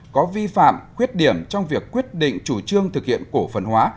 có vi phạm khuyết điểm trong việc quyết định chủ trương thực hiện cổ phần hóa